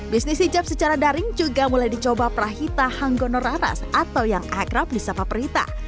bisnis hijab secara daring juga mulai dicoba prahita hanggono raras atau yang akrab di sapa prita